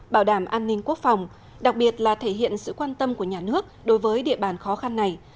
bảo đảm an ninh quốc phòng đặc biệt là thể hiện sự quan tâm của nhà nước đối với địa bàn khó khăn này